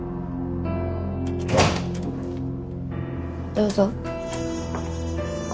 どうぞ。